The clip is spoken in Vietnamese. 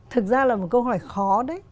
thực ra là một câu hỏi khó đấy